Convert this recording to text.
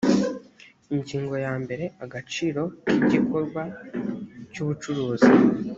ingingo ya mbere agaciro k igikorwa cy ubucuruzi